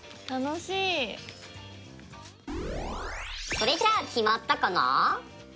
それじゃあ決まったかな？